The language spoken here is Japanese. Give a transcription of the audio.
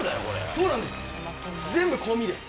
そうなんです。